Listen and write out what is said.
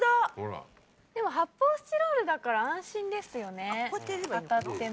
でも発泡スチロールだから安心ですよね当たっても。